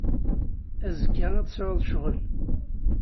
Azekka ad tesɛuḍ ccɣel.